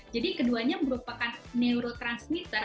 jadi keduanya merupakan neurotransmitter